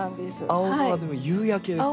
青空でなく夕焼けですか。